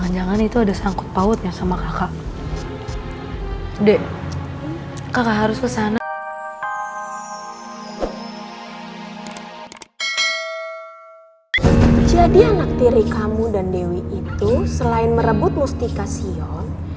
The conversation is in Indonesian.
jadi anak tiri kamu dan dewi itu selain merebut mustika sion